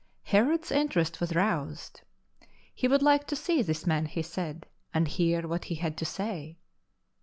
Herod's interest was roused. He would like to see this man, he said, and hear what he had to say.